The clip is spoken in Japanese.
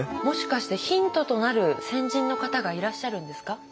もしかしてヒントとなる先人の方がいらっしゃるんですか？